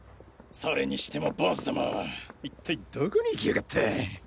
それにしてもボウズ共一体どこに行きやがった。